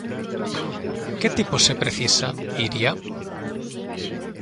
Que tipos se precisan, Iria?